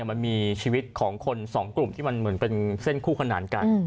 มันมีชีวิตของคนสองกลุ่มที่มันเหมือนเป็นเส้นคู่ขนานกัน